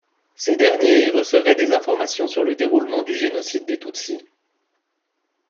Ces derniers y recevaient des informations sur le déroulement du génocide des tutsis.